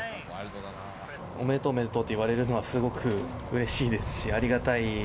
おめでとうおめでとうといわれるのは、すごくうれしいですし、ありがたい。